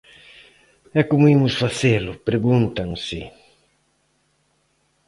E como imos facelo?, pregúntanse.